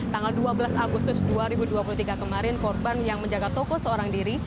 tanggal dua belas agustus dua ribu dua puluh tiga kemarin korban yang menjaga toko seorang diri